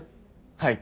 はい。